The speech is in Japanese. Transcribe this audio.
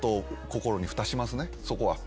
心にふたします。